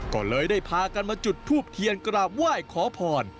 ก็เลยได้พากันมาจุดทูบเทียนกราบไหว้ขอพร